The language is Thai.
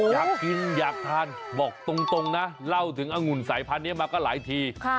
อยากกินอยากทานบอกตรงนะเล่าถึงองุ่นสายพันธุ์นี้มาก็หลายที